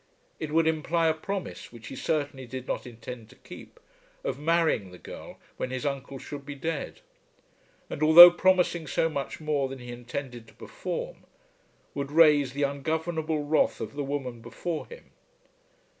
It would imply a promise, which he certainly did not intend to keep, of marrying the girl when his uncle should be dead; and, although promising so much more than he intended to perform, would raise the ungovernable wrath of the woman before him.